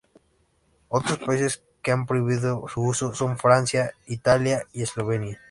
Otros países que han prohibido su uso son: Francia, Italia y Eslovenia.